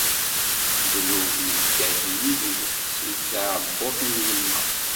Ddnub idda-d yid-i si tɛebbuḍt n yemma.